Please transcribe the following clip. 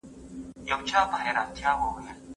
د څېړنیزي مقالي برخي د استاد لخوا کتل کېږي.